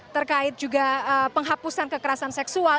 terkait juga penghapusan kekerasan seksual